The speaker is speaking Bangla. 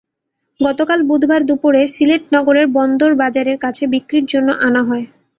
গতকাল বুধবার দুপুরে সিলেট নগরের বন্দরবাজারের কাছে বিক্রির জন্য আনা হয়।